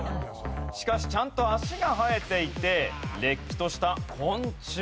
しかしちゃんと脚が生えていてれっきとした昆虫です。